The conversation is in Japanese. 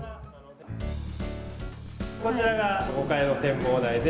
こちらが５階の展望台で。